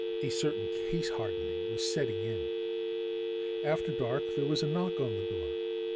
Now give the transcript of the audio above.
A certain case hardening was setting in. After dark, there was a knock on the door.